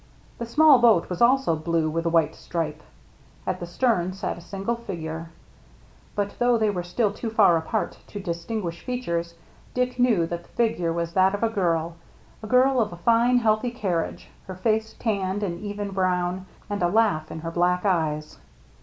The small boat was also blue with a white stripe. At the stern sat a single figure. But DICK AND HIS MERRT ANNE 33 though they were still too far apart to distin guish features, Dick knew that the figure was that of a girl — a girl of a fine, healthy carriage, her face tanned an even brown, and a laugh in her black eyes.